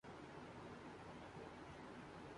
ﭘﯿﺶ ﮐﯿﺎ ﺟﺎﻧﺎ ﭼﺎﮬﯿﮯ